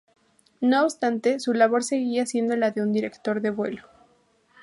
No obstante, su labor seguía siendo la de un director de vuelo.